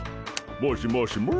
もしもしモ。